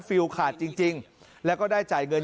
ฟิลขาดจริงแล้วก็ได้จ่ายเงิน